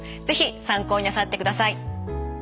ぜひ参考になさってください。